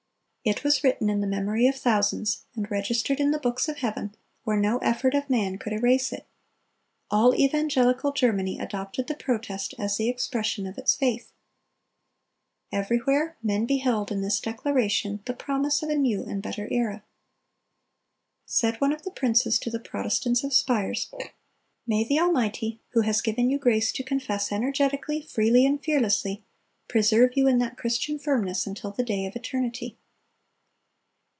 It was written in the memory of thousands, and registered in the books of heaven, where no effort of man could erase it. All evangelical Germany adopted the Protest as the expression of its faith. Everywhere men beheld in this declaration the promise of a new and better era. Said one of the princes to the Protestants of Spires, "May the Almighty, who has given you grace to confess energetically, freely, and fearlessly, preserve you in that Christian firmness until the day of eternity."